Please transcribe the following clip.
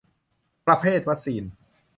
ประเภทวัคซีน